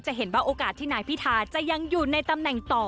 เห็นว่าโอกาสที่นายพิธาจะยังอยู่ในตำแหน่งต่อ